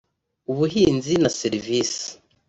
ubuhinzi na serivisi